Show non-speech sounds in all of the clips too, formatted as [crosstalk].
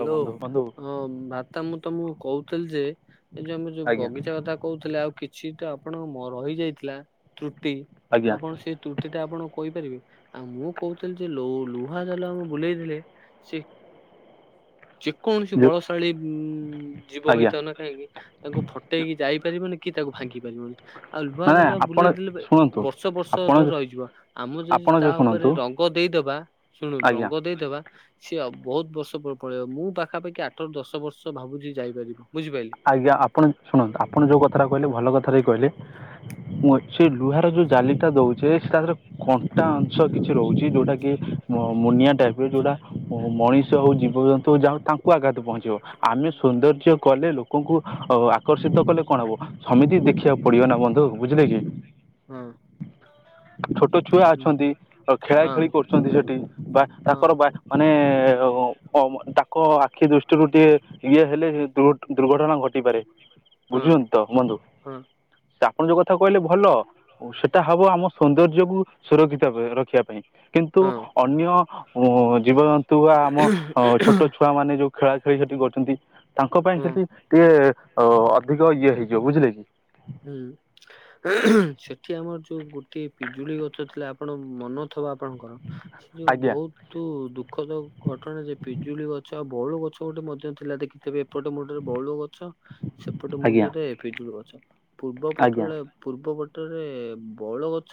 ହଉ ବନ୍ଧୁ ବନ୍ଧୁ ହଁ ଭା ମୁଁ ତମକୁ କହୁଥିଲି ଯେ ଏଇ ଯୋଉ ଆମେ ଯୋଉ ଆଜ୍ଞା ବଗିଚା କଥା କହୁଥିଲେ ଆଉ କିଛି ଛି ତ ଆପଣଙ୍କ ରହିଯାଇଥିଲା ତ୍ରୁଟି ଆଜ୍ଞା ଆପଣ ସେ ତ୍ରୁଟି ଟା ଆପଣ କହିପାରିବେ ଆଉ ମୁଁ କହୁଥିଲି ଯେ ଲୁହା ଜାଲ ଆମେ ବୁଲେଇଥିଲେ ସେ ଯେକୌଣସି ଯୋଉ ବଳଶାଳୀ ଉ ଜୀବ ଆଜ୍ଞା ହେଇଥାଉ ନା କାହିଁକି। ତାଙ୍କୁ ଫଟେଇକି ଯାଇ ପାରିବନି କି ତାକୁ ଭାଙ୍ଗି ପାରିବନି ଆଉ ଲୁହା ମାନେ ଜାଲ ଆପଣ ବୁଲେଇ ଦେଲେ। ଶୁଣନ୍ତୁ ବର୍ଷ ବର୍ଷ ଆପଣ ଧର ରହିଯିବ ଆମେ ଯଦି ଆପଣ ତା ଯୋଉ ଶୁଣନ୍ତୁ ଉପରେ ରଙ୍ଗ ଦେଇଦବା। ଶୁଣୁ ଆଜ୍ଞା ରଙ୍ଗ ଦେଇଦବା। ସିଏ ବହୁତ ବର୍ଷ ପଳେଇବ ମୁଁ ପାଖାପାଖି ଆଠରୁ ଦଶ ବର୍ଷ ଭାବୁଛି ଯାଇପାରିବ ବୁଝିପାରିଲି? ଆଜ୍ଞା ଆପଣ ଶୁଣନ୍ତୁ ଆପଣ ଯୋଉ କଥ କହିଲେ ଭଲ କଥାରେ କହିଲେ। ମୁଁ ସେ ଲୁହହାର ର ଯୋଉ ଜାଲିଟା ଦଉଛେ ସେ ତାରେ କଣ୍ଟା। କିଛି ରହୁଛି ଯୋଉଟା କି ମୁନିଆ ଟାଇପ ରେ ଯୋଉଟା ମଣିଷ ହଉ ଜୀବଜନ୍ତୁ ଯା ତାଙ୍କ ଆଘାତ ପହଞ୍ଚିବ ଆମେ ସୌନ୍ଦର୍ଯ୍ୟ କଲେ ଲୋକ କୁ ଆକର୍ଷିତ କଲେ କଣ ହବ ସମିତି ଦେଖିବାକୁ ପଡିବ ନା ବନ୍ଧୁ ବୁଝିଲେ କି? ହଁ। ଛୋଟ ଛୁଆ ହୁଁ, ଅଛନ୍ତି ଖେଳା ହଁ ଖେଳି କରୁଛନ୍ତି ସେଠି ବା ହଁ ତାଙ୍କର ବା ମାନ ଅ ଅ ତାଙ୍କ ଆଖି ଦୃଷ୍ଟିରୁ ଟିକେ ଇଏ ହେଲେ ଦୁର୍ଘ ଦୁର୍ଘଟଣା ଘଟିପାରେ। ହଁ ବୁଝୁଛନ୍ତି ତ ବନ୍ଧୁ ହଁ ସେ ଆପଣ ଯୋଉ କଥା କହିଲେ ଭଲ ସେଟା ହବ ଆମ ସୌନ୍ଦର୍ଯ୍ୟକୁ ସୁରକ୍ଷିତ ରଖିବା ପାଇଁ କିନ୍ତୁ ହଁ ଅନ୍ୟ ଜୀବଜନ୍ତୁ ବା ଆମ ଛୋଟ ଛୁଆ ମାନେ ଯୋଉ ଖେଳା ଖେଳି ସେଠି କରୁଛନ୍ତି। ତାଙ୍କ ପାଇଁ ହଁ ସେଠି ଟିକେ ଅ ଅଧିକ ଇଏ ହେଇଯିବ ବୁଝିଲେ କି? ହୁଁ। ସେଠି ଆମର ଯୋଉ ଗୋଟେ ପିଜୁଳି ଗଛ ଥିଲା ଆପଣ ମନ ଥିବା ଆପଣଙ୍କର? ସେ ଯୋଉ ଆଜ୍ଞା ବହୁତ ତୁ ଦୁଃଖଦ ଘଟଣା ଯେ ପିଜୁଳି ଗଛ ଆଉ ବଉଳୁ ଗଛ ଗୋଟେ ମଧ୍ୟ ଥିଲା ଦେଖି ତିବେ ସେପଟେ ମୁଣ୍ଡରେ ବଉଳ ଗଛ ସେପଟେ ଆଜ୍ଞା ମୁଣ୍ଡରେ ପିଜୁଳି ଗଛ ପୂର୍ବ ଆଜ୍ଞା ପଟରେ ପୂର୍ବ ପଟରେ ବଉଳ ଗଛ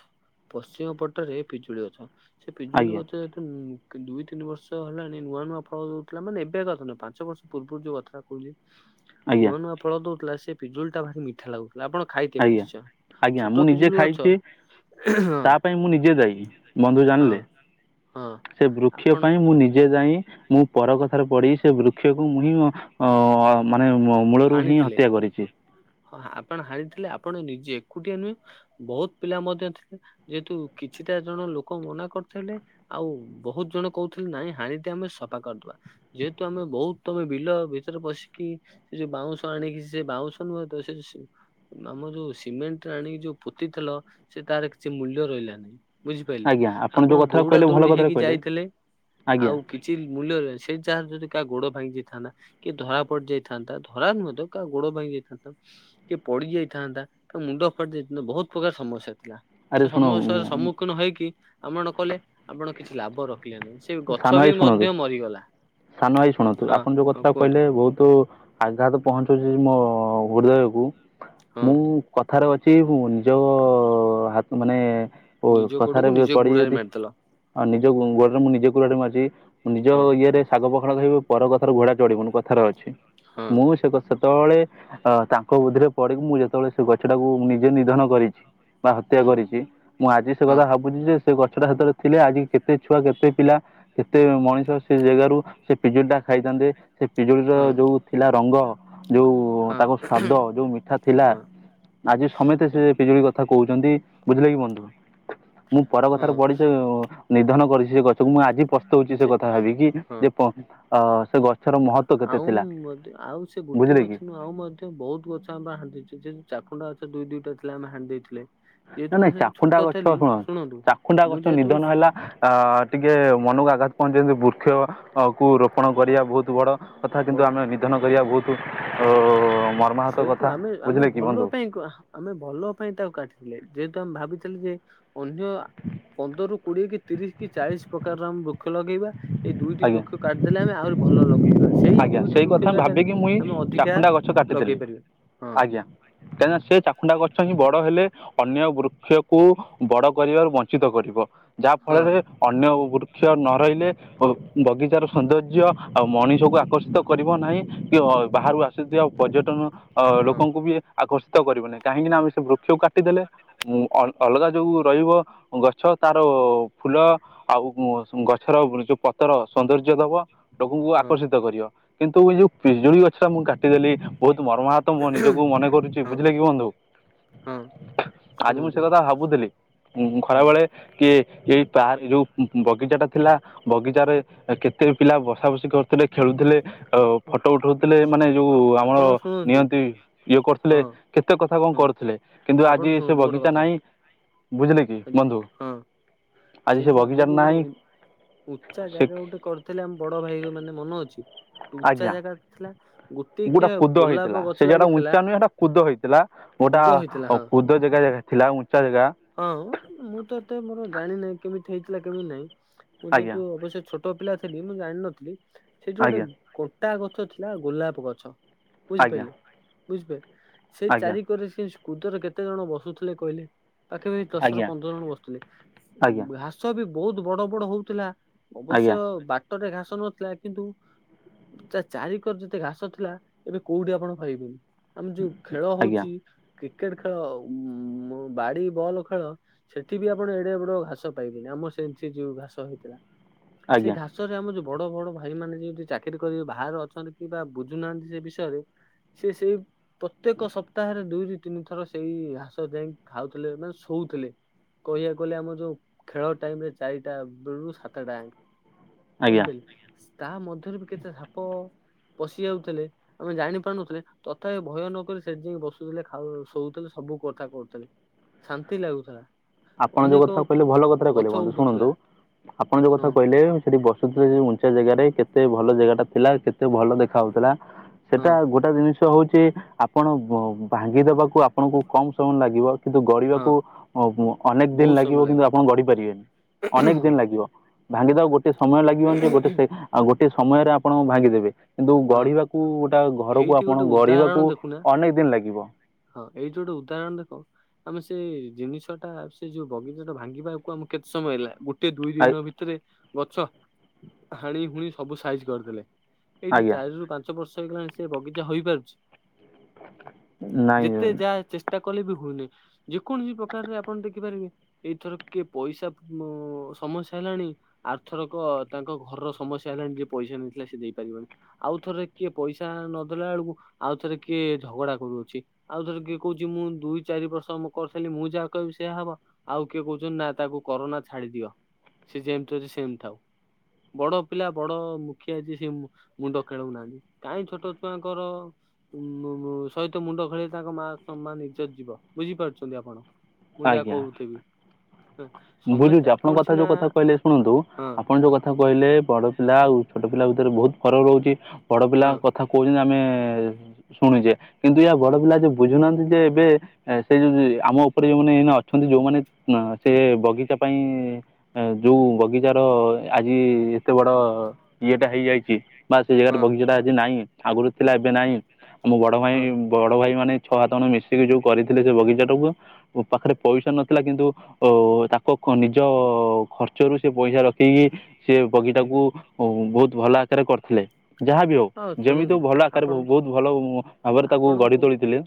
ପଶ୍ଚିମ ପଟରେ ପିଜୁଳି ଗଛ। ସେ ପିଜୁଳି ଆଜ୍ଞା ଗଛ ଠୁ ଦୁଇ ତିନି ବର୍ଷ ହେଲାଣି ନୂଆ ନୂଆ ଫଳ ଦଉଥିଲା ମାନେ ଏବେ କଥା ନୁହଁ ପାଞ୍ଚ ବର୍ଷ ପୂର୍ବରୁ ଯୋଉ କଥା କହୁଛି। ଆଜ୍ଞା ନୂଆ ନୂଆ ଫଳ ଦଉଥିଲା ସେ ପିଜୁଳି ଟା ଭାରି ମିଠା ଲାଗୁଥିଲା। ଆପଣ ଖାଇଥିବେ ଆଜ୍ଞା ନିଶ୍ଚୟ ଆଜ୍ଞା ମୁଁ ଛୋଟ ନିଜେ ପିଜୁଳି ଅଛ। ଖାଇଛି ତା ପାଇଁ ମୁଁ ନିଜେ ଦାଈ ବନ୍ଧୁ ହଁ ଜାଣିଲେ? ହଁ ସେ ବୃକ୍ଷ ଆପଣ ପାଇଁ ମୁଁ ନିଜେ ଦାଈ। ମୁଁ ପର କଥାରେ ପଡି ସେ ବୃକ୍ଷକୁ ମୁଁ ହିଁ ଅ ମାନେ ମୂଳରୁ ହିଁ ହାଣିଥିଲେ। ହତ୍ୟା କରିଛି। ହଁ ଆପଣ ହାନିଥିଲେ ଆପଣ ନିଜେ ଏକୁଟିଆ ନୁହେଁ ବହୁତ ପିଲା ମଧ୍ୟ ଥିଲେ। ଯେହେତୁ କିଛିଟା ଜଣ ଲୋକ ମନା କରିଥିଲେ। ଆଉ ବହୁତ ଜଣ କହୁଥିଲେ ନାଇଁ ହାଣି ଦେ ଆମେ ସଫା କରିଦବା। ଯେହେତୁ ଆମେ ବହୁତ ତମେ ବିଲ ଭିତରେ ପଶିକି। ସେ ଯୋଉ ବାଉଁଶ ଆଣିକି ସେ ବାଉଁ ନୁହେଁ ତ ସେ ଆମର ଯୋଉ ସିମେଣ୍ଟ ଆଣି ଯୋଉ ପୋତି ଥିଲ ସେ ତାର କିଛି ମୂଲ୍ୟ ରହିଲା ନାହିଁ। ବୁଝିପାରିଲେ ଆଜ୍ଞା ଆପଣ ଯୋଉ କଥା ଦୌଡ଼ା କହିଲେ ଭଲ ଦୌଡି କଥାରେ ହେଇକି କହିଲେ ଯାଇଥିଲେ ଆଜ୍ଞା ଆଉ କି ମୂଲ୍ୟରେ ସେ ଯାହା ଯଦି କାହା ଗୋଡ ଭାଙ୍ଗି ଯାଇଥାନ୍ତା କି ଧରା ପଡିଯାଇ ଥାନ୍ତା ଧରା ମଧ୍ୟ କାହା ଗୋଡ ଭାଙ୍ଗି ଯାଇଥାନ୍ତା। କିଏ ପଡି ଯାଇଥାନ୍ତା ତାଙ୍କ ମୁଣ୍ଡ ଫାଟି ଯାଇଥାନ୍ତା ବହୁତ ପ୍ରକାର ସମସ୍ୟା ଥିଲା। ଆରେ ସେ ଶୁଣ ସମସ୍ୟାର ସମ୍ମୁଖୀନ ହେଇକି ଆପଣ କଲେ ଆପଣ କିଛି ଲାଭ ରଖିଲେ ନାହିଁ। ସେ ଗଛ ସାନ ବି ଭାଇ ଶୁଣନ୍ତୁ ମଧ୍ୟ ମରିଗଲା ସାନ ଭାଇ ଶୁଣନ୍ତୁ ହଁ ଆପଣ ଯୋଉ ହଁ କଥାଟା କୁହନ୍ତୁ କହିଲେ ବହୁତ ଆଘାତ ପହଞ୍ଚୁଛି ମୋ ହୃଦୟକୁ ମୁଁ କଥାରେ ଅଛି ନିଜ ହ ହାତ ମାନେ କଥାରେ ନିଜେ ପଡି ଗୁଡାରେ ଯଦି ମାରିଦେଲ ଆଉ ନିଜ ଗୋଡରେ ମୁଁ ନିଜ କୁରାଢି ମାରିଚି, ମୁଁ ନିଜ ହଁ ଇଏରେ ଶାଗ ପଖାଳ ଖାଇବୁ ପର କଥାର ଘୋଡା ଚଢିବୁନୁ। କଥାର ଅଛି, ହଁ ମୁଁ ସେକ ସେତବଳେ ଅ, ତାଙ୍କ ବୁଦ୍ଧିରେ ପଡିକି ମୁଁ ଯେତେବେଳେ ସେ ଗଛ ଟାକୁ ମୁଁ ନିଜେ ନିଧନ କରିଛି। ବା ହତ୍ୟା ହୁଁ କରିଚି, ମୁଁ ଆଜି ସେ ହଁ କଥା ଭାବୁଛି ଯେ ସେ ଗଛଟା ସେତଳେ ଥିଲେ, ଆଜି କେତେ ଛୁଆ କେତେ ପିଲା କେତେ ମଣିଷ ସେ ଜାଗାରୁ ସେ ପିଜୁଳି ଟା ଖାଇଥାନ୍ତେ। ସେ ପିଜୁଳିର ହଁ ଯୋଉ ଥିଲା ରଙ୍ଗ। ଯୋଉ ହଁ ତାଙ୍କ ସ୍ଵାଦ ଯୋଉ ମିଠା ଥିଲା ହଁ ଆଜି ସମତେ ସେ ପିଜୁଳି ଗ ଥା କହୁଚନ୍ତି, ବୁଝିଲେ କି ବନ୍ଧୁ, ମୁଁ ପର ହଁ କଥାରେ ପଡିି ସେ ନିଧନ କରିଛି ସେ ଗଛ। ମୁଁ ଆଜି ପସ୍ତଉଚି ସେ ଯେ କଥା ଭାବିକି। ଯେ ପ-ଅ, ସେ ଗ ଆଉଁ ବୋଦେ ଆଉ ସେ ଗୋଟିଏ ବୁଝିଲେ ଗଛ କି ନୁହଁ ଆଉ ମଧ୍ଯ ସେ ବହୁତ ଗଛ ଆମେ ପା ହାଣି ଦେଇଛୁ, ସେ ଯେ ଚାକୁଣ୍ଡା ଗଛ ଦୁଇ ଦିଇଟା ଥିଲା ଆମେ ହାଣି ଦେଇଥିଲେ। ନା ଯେହେତୁ ମୁଁ ନାଇଁ ସେତେ ଛୋଟ ଚାକୁଣ୍ଡା ଗଛ ଥିଲି ଶୁଣ ଶୁଣନ୍ତୁ ଚାକୁୁଣ୍ଡା ମୁଁ ଗଛ ଯେହେତୁ ନିଧନ ହେଲା। ଅ, ଟିକେ ମନକୁ ଆଘାତ ପହଞ୍ଚେ ଯେମିତି ବୃକ୍ଷ ଅ, କୁ ରୋପଣ କରିବା ବହୁତ ତୁ ବଡ଼ କଥା, କିନ୍ତୁ ବହୁ ଆମେ ନିଧନ କରିବା ବହୁତୁ ଅ, ମର ଛେତୁ ଆମେ ଆମେ ଭଲ ପାଇଁ କ- ଆହା ଆମେ ଭଲ ପାଇଁ ତାକୁ କାଟିଥିଲେ। ଯେହେତୁ ଆମେ ଭାବିଥିଲେ ଯେ ଅନ୍ୟ ପନ୍ଦରରୁୁ କୋଡିଏ କି ତିରିଶ କି ଚାଳିଶ ପ୍ରକାର ର ଆମେ ବୃକ୍ଷ ଲଗେଇବା। ଏଇ ଦୁଇଟି ଆଜ୍ଞା ବୃକ୍ଷ କାଟିିଦେଲେ ଆମେ ଆହୁରି ଭଲ ଲଗେଇବା। ସେଇ ଦୁଇଟି ବୃକ୍ଷ ଜାଗାରେ ଆମେ ଅଧିକା ଟି ଲଗେଇ ଦେଲି। ପାରିବା ହଁ ଜ୍ଞା କାହିଁକି ନା ସେ ଚାଖୁଣ୍ଡା ଗଛ ହିଁ ବଡ ହେଲେ ଅନ୍ୟ ବୃକ୍ଷ କୁ ବଡ କରିବାରୁ ବନ୍ ଚିତ କରିବ, ହଁ ଯାହାଫଳରେ ଅନ୍ୟ ବୃକ୍ଷ ନ ରହିଲେ, ଓ ବଗିଚାର ସୌନ୍ଦର୍ଯ୍ୟ ଆଉ ମଣିଷକୁ ଆକର୍ଷିତ କରିବ ନାହିଁ। କି ଅ, ବାହାରୁ ଆସୁଥିବା ପର୍ଯ୍ୟଟନ ଅ, ହଁ ଲୋକଙ୍କୁ ବି ଆକର୍ଷିତ କରିବ ନାହିଁ। କାହିଁକି ନା ଆମେ ସେ ବୃ କ୍ଷ କାଟିଦେଲେ ମୁଁ ଅଲ୍ ଅଲଗା ଯୋଉ ରହିବ ଗଛ ତାର ଅ, ଫୁଲ ଆଉ ଉଁ, ଗଛର ଯୋଉ ପ ତର ସୌନ୍ଦର୍ଯ୍ୟ ଦବ ଲୋକଙ୍କୁ ହଁ ଆକର୍ଷିତ କରିବ। କିନ୍ତୁ ଏଇ ଯୋଉ ପିଜୁଳି ଗଛଟା ମୁଁ କାଟିଦେଲି ବହୁତ ମର୍ମାହତ ତ ମୁଁ ନିଜକୁ ମନେ କରୁଛି ହଁ ବୁଝିଲେ କି ବନ୍ଧୁ। ହଁ ଆଜି ମୁଁ ଶୁଣନ୍ତୁ ସେ କଥା ଭାବୁଥିଲି, ଉଁ, ହଁ ଖରାବେେଳେ କି ଏଇ ପାର୍କ ଯୋଉ ଉ, ଉ, ବଗିଚା ଟା ଥିଲା, ବଗି ଚାରେ ଏ କେତେ ପିଲା ବସା ବସି କରୁଥିଲେ, ଖେଳୁଥିଲେ। ଆଉ ହଁ ଫଟୋ ଉଠଉଥିଲେ, ମାନେ ଯୋଉ ହଁ ଆମର ଆପଣ ଶୁଣନ୍ତୁ ନିଅନ୍ତି ଇଏ କରୁଥିଲେ। ହଁ କେତେ କଥା କଣ ହଁ କରୁଥିଲେ, କିନ୍ତୁ ଆପଣ ଆଜି ସେ ଶୁଣନ୍ତୁ ଗୋଟେ ବଗିଚା କଥା ନାହିଁ। ବୁଝିଲେ କି ବନ୍ଧୁ, ହଁ ଆଜି ସେ ଯୋଉ ଆମେ ବଗିଚା ଯୋଉ ଗୋଟେ ନାଇ। ଉଚ୍ଚା ଜାଗା ଗୋଟେ କରିଥିଲେ ଆମ ବଡ ଭାଇ ମାନେ ମନ ଅଛି? ଉଚ୍ଚା ଆଜ୍ଞା, ଜାଗା ଥିଲା ଗୁଟା ଗୋଟେକିଆ କୁଦ ଗୋଲାପ ହେଇଥିଲା, ଗଛ ସେ ଜାଗାଟା ଲାଗିଥିଲା ଉଞ୍ଚା ନୁହେଁ, ସେଟା କୁଦ ହେଇଥିଲା। ଗୋଟା କୁଦ ହେଇଥିଲା ଅ, ହଁ। କୁଦ ଜାଗା ଥିଲା ଉଞ୍ଚା ଜାଗା। ହଁ ମୁଁ ତ ଏତେ ମୋର ଜାଣିନାହିଁ କେମିତି ହେଇଥିଲା କେମିତି ନାହିଁ। ମୁଁ ଆଜ୍ଞା ଯେହେତୁ ଅବଶ୍ୟ ଛୋ ଟ ପିଲା ଥିଲି ମୁଁ ଜାଣିନଥିଲି ସେଇଠି ଗୋଟେ ଆଜ୍ଞା କଣ୍ଟା ଗଛ ଥିଲା ଗୋଲାପ ଗଛ। ଆଜ୍ଞା ବୁଝିପାଇଲେ ବୁଝିପା ସେଇ ଆଜ୍ଞା ଚାରି କରରେ ସେ କୁଦରେ କେତେ ଜଣ ବସୁଥିଲେ କହିଲେ? ପାଖାପାଖି ଦଶ ରୁ ଆଜ୍ଞା ପନ୍ଦର ଜଣ ବସୁଥୁଲେ, ଉ, ଆଜ୍ଞା ଘାସ ବି ବହୁତ ବଡ ବଡ ହଉଥିଲା। ଆଜ୍ଞା ଅବଶ୍ୟ ବାଟରେ ଘାସ ନଥିଲା, କିନ୍ତୁ ତା ଚାରିିକର ଯେତେ ଘାସ ଥିଲା ଏବେ କୋଉଠି ଆପଣ ପାଇବେନି। ଆମର ଯୋଉ ଖେଳ ଆଜ୍ଞା ହଉଛି କ୍ରିକେଟ୍ ଖେଳ ଉଁ, ମୋ ବାଡି ବଲ ଖେଳ ସେଠି ବି ଆପଣ ଏଡେ ବଡ ଘାସ ପାଇବେନି। ଆମ ସେ ସେ ଯୋଉ ଘାସ ହେଇଥିଲା। ସେଇ ଆଜ୍ଞା ଘାସ ସହରରେ ଆମର ଯୋଉ ବଡ ବଡ ଭାଇ ମାନେ ଯେଇଟି ଚାକିରି କରିକି ବାହାରେ ଅଛନ୍ତି, କିବା ବୁଝୁନାହାନ୍ତି ସେ ବିଷୟରେ। ସେ ସେଇ ପ୍ରତ୍ୟେକ ସପ୍ତାହରେ ଦୁଇରୁ ତିନି ଥର ସେଇ ଘାସ ଯାଇ ଖାଉ ଥିଲେ ମାନେ ଶୋଉଥିଲେ। କହିବାକୁ ଗଲେ ଆମ ଯୋଉ ଖେଳ ଟାଇମ୍ ରେ ଚାରିଟା ବେଳୁ ସାତଟା ଆଙ୍କ। ଆଜ୍ଞା ବୁଝିପାଇଲୁ ତା ମଧ୍ୟରୁ ବି କେତେ ସାପ ପଶି ଯାଉଥିଲେ। ଆମେ ଜାଣି ପାରୁନଥିଲେ ତଥାପି ଭୟ ନକ ସେ ଯ ବସୁ ଥିଲେ ଶୋଉଥିଲେ ସବୁ କଥା କହୁଥିଲେ ଶାନ୍ତି ଲାଗୁଥିଲା ଆପଣ ଯୋଉ ଅନେକ କଥା କହିଲେ ଭଲ କଥାଟେ କହିଲେ ଗଛ ବନ୍ଧୁ ଉଠୁଥିଲା ଶୁଣନ୍ତୁ ଆପଣ ଯୋଉ ହଁ କଥା କହିଲେ ସେଠି ବସୁଥିଲେ ଉଞ୍ଚା ଜାଗାରେ କେତେ ଭଲ ଜାଗାଟା ଥିଲା କେତେ ଭଲ ଦେଖା ହଉଥିଲା ହଁ ସେଟା ଗୋଟେ ଗୋଟେ ଜିନିଷ ହଉଛି ଆପଣ ଭାଙ୍ଗିଦବାକୁ ଆପଣଙ୍କୁ କମ ସମୟ ଲାଗିବ କିନ୍ତୁ ହଁ ଗଢିବାକୁ ଅନେକ ଦିନ ବହୁତ ଲାଗିବ ସମୟ କିନ୍ତୁ ଆପଣ ଗଢି ପାରିବେନି ଅନେକ ଦିନ ହଁ ଲା - ଭାଙ୍ଗିଦବାକୁ ଗୋଟେ ସମୟ ଲାଗିବନି ଗୋଟେ ଗୋଟେ ସମୟରେ ଆପଣ ଭାଙ୍ଗିଦେବେ କିନ୍ତୁ ଗଢିବାକୁ ଗୋଟେ ଘରକୁ ଏଇଠି ଆପଣ ଗୋଟେ ଉଦାହରଣ ଗଢିବାକୁ ଦେଖୁନା ଅନେକ ଦିନ ଲାଗିବ ହଁ ଏଇ ଯୋଉଟେ ଉଦାହରଣ ଦେଖ ଆମେ ସେ ଜିନିଷଟା ସେ ଯୋଉ ବଗିଚାଟା ଭାଙ୍ଗିବାକୁ ଆମ କେତେ ସମୟ ଲାଗିବ ଗୋଟେ ଦୁଇ ଦିନ ଭିତରେ ଗଛ ହାଣି ହୁଣି ସବୁ ସାଇଜ କରିଦେଲେ ଏଇଠି ଆଜ୍ଞା ଚାରିରୁ ପାଞ୍ଚ ବର୍ଷ ହେଇଗଲାଣି ସେ ବଗିଚା ହୋଇପାରୁଛି ନାଇଁ ଯେତେ ଯା ଚେଷ୍ଟା କଲେ ବି ହଉନି ଯେକୌଣସି ପ୍ରକାରରେ ଆପଣ ଦେଖିପାରିବେ ଏଇଥର କିଏ ପଇସା ସମସ୍ୟା ହେଲାଣି ଆରଥରକ ତାଙ୍କ ଘରର ସମସ୍ୟା ହେଲାଣି ଯିଏ ପଇସା ନେଇଥିଲା ସେ ଦେଇ ପାରିବନି ଆଉ ଥରେ କିଏ ପଇସା ନଦେଲା ବେଳକୁ ଆଉ ଥରେ କିଏ ଝଗଡା କରୁଅଛି ଆଉ ଥରେ କିଏ କହୁଛି ମୁଁ ଦୁଇ ଚାରି ବର୍ଷ କରିଥିଲି ମୁଁ ଯାହା କହିବି ସେୟଆ ହବ ଆଉ କିଏ କହୁଛନ୍ତି ନା ତାକୁ କରୋନା ଛାଡି ଦିଅ ସେ ଯେମିତି ଅଛି ସେମିତି ଥାଉ ବଡ ପିଲା ବଡ ମୁଖିଆ ଅଛି ସେ ମୁଣ୍ଡ ଖେଳଉ ନାହାନ୍ତି କାହିଁ ଛୋଟ ଛୁଆଙ୍କର ଅ ହ ହ ସହିତ ମୁଣ୍ଡ ଖେଳେଇ ତାଙ୍କ ମା ଇଜତ ଯିବ ବୁଝିପାରୁଛନ୍ତି ଆପଣ ମୁଁ ଯାହା ଆଜ୍ଞା କହୁଥିବି ହଁ, ସମସ୍ତେ ବୁଝୁଛି ଆପଣଙ୍କ ଆପଣ କଥା ସିନା ଯୋଉ କଥା କହିଲେ ଶୁଣନ୍ତୁ ହଁ ଆପଣ ଯୋଉ କଥା କଥା କହିଲେ ବଡ ପିଲା ଆଉ ଛୋଟ ପିଲା ଭିତରେ ବହୁତ ଫରକ ରହୁଛି ବଡ ପିଲା ହଁ କଥା କହୁଛନ୍ତି ଆମେ ଶୁଣୁଛେ କିନ୍ତୁ ୟେ ହଁ ବଡ ପିଲା ଯେ ବୁଝୁନାହାନ୍ତି ଯେ ଏବେ ସେ ଯୋଉ ଆମ ଉପରେ ଯୋଉମାନେ ଏ ଅଛନ୍ତି ଯୋଉମାନେ ସେ- ବଗିଚା ପାଇଁ ଯୋଉ ବଗିଚାର ଆଜି ଏତେ ବଡ଼- ଇଏଟା ହେଇଯାଇଛି ବା ସେଇ ଜାଗାରେ ହଁ ବଗିଚାଟା ଆଜି ନାହିଁ ଆଗରୁ ଥିଲା ଏବେ ନାଇଁ ଆମ ବଡ ଭାଇ ହଁ ବଡ ଭାଇ ମାନେ ଛଅ ହାତ ଜଣ ମିଶିକି ଯୋଉ କରିଥିଲେ ସେ ବଗିଚା ଟାକୁ ମୋ ପାଖରେ ପଇସା ନଥିଲା କିନ୍ତୁ ଓହ ହ ତାଙ୍କ ନିଜ ଖର୍ଚ୍ଚରୁ ସେ ପଇସା ରଖିକି ସେ ବଗିଚାକୁ ଓ ବହୁତ ଭଲ ଆକାରରେ କରିଥିଲେ ଯାହାବି ହଉ ହଁ ଯେମିତି ଶୁଣନ୍ତୁ ଭଲ ଆକାରରେ ଆପଣଙ୍କୁ ବହୁତ ଭଲ ଭାବରେ ତାକୁ ଗଢି ଆପଣଙ୍କୁ ତୋଳିଥିଲେ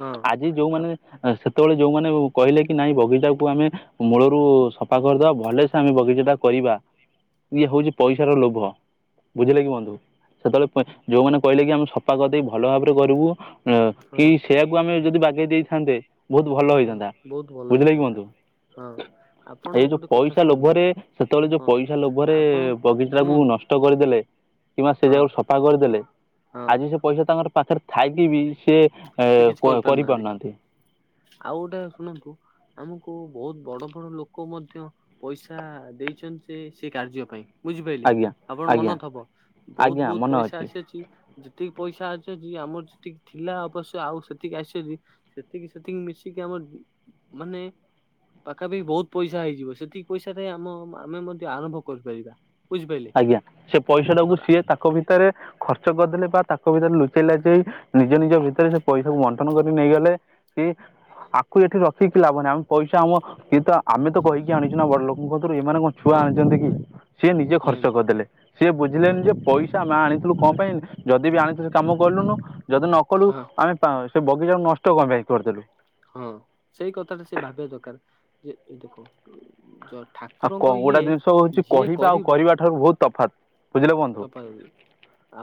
ହଁ ଆଜି ଯୋଉମାନେ ଆପ- ସେତେବେଳେ ଯୋଉମାନେ କହିଲେ କି ନାଇଁ ବଗିଚାକୁ ଆମେ ମୂଳରୁ ସଫା କରିଦବା ଭଲରେ ତାଙ୍କ ବଗିଚାଟା କରିବା ଇଏ ହଉଛି ପଇସାର ଲୋଭ ବୁଝିଲେ କି ବନ୍ଧୁ ସେତେବେଳେ ଯୋଉମାନୋନ କହିଲେ କି ଆମେ ସଫା କରିଦେଇ ଭଲ ଭାବରେ କରିବୁ ହଁ କି ସେୟାକୁ ଆମେ ଯଦି ବାଗେଇ ଦେଇଥାନ୍ତେ ବହୁତ ଭଲ ହଁ ହେଇଥାନ୍ତା ବହୁତ ଭଲ ବୁଝିଲେ କି ହେଇଥାନ୍ତା ବନ୍ଧୁ ହଁ ଆପଣ ଏଇ ଯୋଉ ଗୋଟେ କଥା ପଇସା ଶୁଣନ୍ତୁ ଲୋଭରେ ସେତେବେଳେ ଯୋଉ ହଁ ପଇସା ଲୋଭରେ ଆପଣଙ୍କୁ ବଗିଚା କୁ ଶୁଣନ୍ତୁ ନଷ୍ଟ କରିଦେଲେ କିମ୍ବା ସେ ହଁ ଜାଗକୁ ସଫା କରିଦେଲେ ହଁ ଆଜି ସେ ପଇସା ତାଙ୍କର ପାଖରେ ଥାଇକି ବି ସେ ଏ ସେ କିଛି କରିପାରୁନାହାନ୍ତି ଆଉ ଗୋଟେ ଶୁଣନ୍ତୁ ଆମକୁ ବହୁତ ବଡ ବଡ ଲୋକ ମଧ୍ୟ ପଇସା ଦେଇଛନ୍ତି ସେ ସେ କାର୍ଯ୍ୟ ପାଇଁ ବୁଝିପାରିଲେ ଆଜ୍ଞା ଆପଣ ଆଜ୍ଞା ମନ ଥବ ବହୁତ ଆଜ୍ଞା ବହୁତ ମନେ ପଇସା ଅଛି। ଆସିଅଛି ଯେତିକି ପଇସା ଅଛି ଅଛି ଆମର ଯେତିକି ଥିଲା ଅବ ଆଉ ସେତିକି ଆସି ବ ଯଦି ସେତିକି ସେତିକି ମିଶିକି ଆମର ମାନେ- ପାଖାପାଖି ବହୁତ ପଇସା ହେଇଯିବ ସେତିକି ପଇସାରେ ଆମ ଆମେ ମଧ୍ୟ ଆରମ୍ଭ କରିପାରିବା ବୁଝିପାରିଲେ ଆଜ୍ଞା ସେ ପଇସାଟାକୁ ଆମର ସିଏ ତାଙ୍କ ଭିତରେ ଖର୍ଚ୍ଚ କରିଦେଲେ ବା ତାଙ୍କ ଭିତରେ ଲୁଚେଇ ଲାଚେଇ ନିଜ ନିଜ ଭିତରେ ସେ ପଇସାକୁ ବଣ୍ଟନ କରି ନେଇଗଲେ। କି। ଆକୁ ଏଠି ରଖିକି ଲାଭ ନାହିଁ ଆମେ ପଇସା ଆମ କିଏ ତ ଆମେ ତ କହିକି ଆଣିଚୁ ନା ବଡ ଲୋକଙ୍କ କତିରୁ ଏମାନେ କ ଛୁଆ ହଁ ଆଣିଚନ୍ତି କି ସିଏ ନିଜେ ଖର୍ଚ୍ଚ ନାଇଁ କରିଦେଲେ ସିଏ ହଁ ବୁଝିଲେନି ଯେ ପଇସ୍ ସା ଆମେ ଆଣିଥିଲୁ କଣ ପାଇଁ ଯଦି ବି ଆଣିଥିଲୁ କାମ କଲୁନୁ ଯଦି ନ କଲୁ ହଁ। ଆମେ ଆଁ -ସେ ବଗିଚାକୁ ନଷ୍ଟ କଣ ପାଇଁ କରିଦେଲୁ। ହଁ ସେଇ କଥାଟା ସେ ଭାବିବା ଦରକାର୍। ଆଉ କ ଠାକୁରଙ୍କ ଗୋଟେ ଇଏ ଜିନିଷ ହଉଛି ଯିଏ କହିବା ଆଉ କରିବ କରିବା ଠାରୁ ବହୁତ ତଫାତ୍ ବୁଝିଲେ ବନ୍ଧୁ ତପାଇ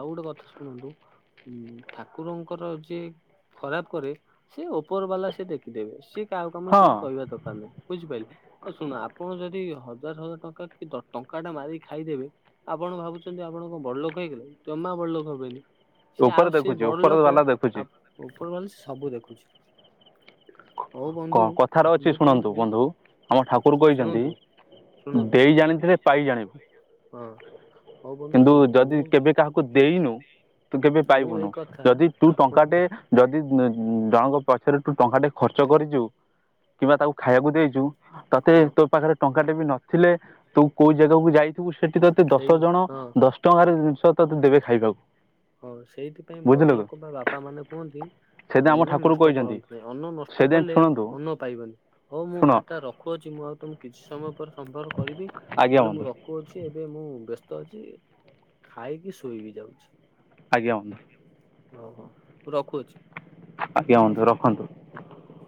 ଆଉ ଗୋଟେ କଥା ଶୁଣନ୍ତୁ ହୁଁ ଠାକୁରଙ୍କର ଯିଏ ଖରାପ୍ କରେ ସେ ଉପର ବାଲା ସେ ସେ ଦେଖିଦେବେ ସିଏ କାହାକୁ ଆମର ହଁ କିଛି କହିବା ଦରକାର ନାହିଁ। ବୁଝିପାଇଲେ। ଦେଖନ୍ତୁ ଆପଣ ଯଦି ହଜାର ହଜାର ଟଙ୍କା କି ଟଙ୍କା ଟା ମାରିକି ଖାଇଦେବେ ଆପଣ ଭାବୁଚନ୍ତି ଆପଣ କଣ ବଡ୍ ଲୋକ୍ ହେଇଗଲେ ଜମା ବଡଲୋକ ହେବେନି। ସେ ଆଉ ଉପର ସେ ଦେଖୁଛି ବଡ ଉପର ଲୋକ ବାଲା ଦେଖୁଛି ଆ ଉପର ବାଲା ସେ ସବୁ ଦେଖୁଚି। କ-କଥାରେ ଅଛି ମୁଁ ଶୁଣନ୍ତୁ ତମକୁ ବନ୍ଧୁ ଆମ ଠାକୁର୍ କହିଚନ୍ତି ଶୁଣନ୍ତୁ ଶୁଣନ୍ତୁ ଦେଇ ଜାଣିଥିଲେ ପାଇ ଜାଣିବୁ। ହଁ। ହଉ ବନ୍ଧୁ କିନ୍ତୁ ଶୁଣନ୍ତୁ ଯଦି ମୁଁ କେବେ କାହାକୁ ଦେଇନୁ ତୁ କେବେ ମୁଁ ପାଇବୁନୁ ଏଇ କଥା ଯଦି ତୁ ଆପଣ ଟଙ୍କାଟେ ଯଦି ଜଣଙ୍କ ପଛରେ ତୁ ଟଙ୍କାଟେ ଖର୍ଚ୍ଚ କରିଚୁ କିମ୍ବା ତାକୁ ଖାଇବାକୁ ଦେଇଚୁ ତତେ ହଁ ତୋ ପାଖେରେ ଟଙ୍କା ଟେ ବି ନଥିଲେ ତୁ କୋଉ ଜାଗାକୁ ଯାଇଥିବୁ ସେଠି ତ ତେ ସେଇ ଦଶ ଜଣ ହଁ ଦଶ ଟଙ୍କାରେ ଜିନିଷ ତତେ ଦେବେ ଖାଇବାକୁ। ହଁ ସେଇଥିପାଇଁ ବୁଝିଲୁ ବଡ କି ଲୋକ ବା ବାପା ମାନେ କୁହନ୍ତି ସେଇଥିପାଇଁ ଆମ ଅନ୍ନ ଠାକୁର ନଷ୍ଟ କହିଛନ୍ତି କରନ୍ତୁ ନାହିଁ ଅନ୍ନ ନଷ୍ଟ ସେଇଥିପାଇଁ କଲେ ଲେ ଶୁଣନ୍ତୁ ଅନ୍ନ ପାଇବାନି ହଉ ମୁଁ ଶୁଣ ଭାତା ରଖୁଅଛି ମୁଁ ଆଉ ତମକୁ କିଛି ସମୟ ପରେ ସମ୍ପର୍କ କରିବି। ଆଜ୍ଞା ବନ୍ଧୁ। କହୁଚି ଏବେ ମୁଁ ବ୍ୟସ୍ତ ଅଛି ଖାଇକି ଶୋଇବିି ଯାଉଚି। ଆଜ୍ଞା ବନ୍ଧୁ। ଓ ହୋ ରଖୁଚି। ଆଜ୍ଞା ବନ୍ଧୁ ରଖନ୍ତୁ। ବ [unintelligible]